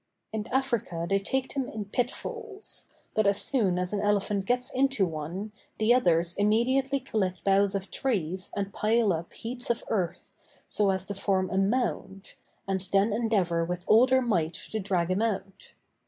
In Africa they take them in pit falls; but as soon as an elephant gets into one, the others immediately collect boughs of trees and pile up heaps of earth, so as to form a mound, and then endeavor with all their might to drag him out.